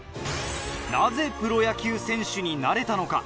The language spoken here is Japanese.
なぜプロ野球選手になれたのか？